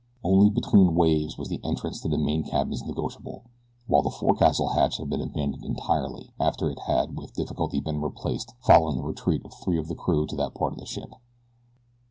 Only between waves was the entrance to the main cabins negotiable, while the forecastle hatch had been abandoned entirely after it had with difficulty been replaced following the retreat of three of the crew to that part of the ship.